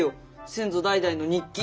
先祖代々の日記。